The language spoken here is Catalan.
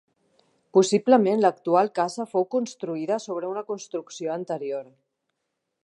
Possiblement l'actual casa fou construïda sobre una construcció anterior.